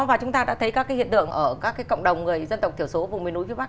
và chúng ta đã thấy các hiện tượng ở các cộng đồng người dân tộc thiểu số vùng miền núi phía bắc